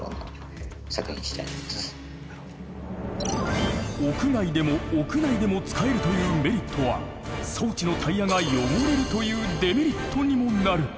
このあと屋外でも屋内でも使えるというメリットは装置のタイヤが汚れるというデメリットにもなる。